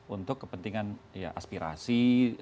untuk kepentingan ya aspirasi